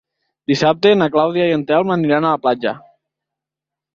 Dissabte na Clàudia i en Telm aniran a la platja.